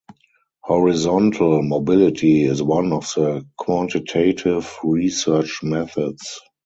Horizontal mobility is one of the quantitative research methods.